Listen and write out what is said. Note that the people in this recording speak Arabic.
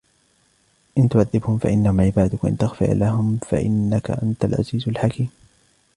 إن تعذبهم فإنهم عبادك وإن تغفر لهم فإنك أنت العزيز الحكيم